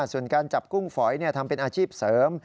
ส่วนการจับกุ้งฝอยทำเป็นอาชีพเสริม